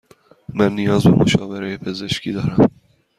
من نیاز به مشاوره پزشکی دارم.